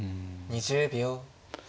２０秒。